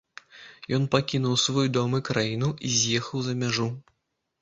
Ён пакінуў свой дом і краіну і з'ехаў за мяжу.